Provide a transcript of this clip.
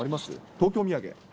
東京土産。